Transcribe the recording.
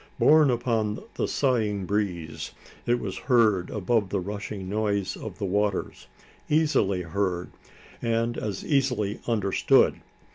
Borne upon the sighing breeze, it was heard above the rushing noise of the waters easily heard, and as easily understood.